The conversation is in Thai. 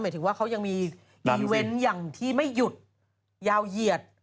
ถึงว่าเขายังมีอีเวนต์อย่างที่ไม่หยุดยาวเหยียด